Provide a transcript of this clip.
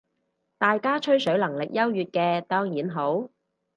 大家吹水能力優越嘅當然好